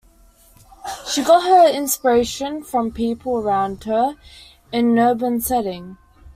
She got her inspiration from people around her, in an urban setting.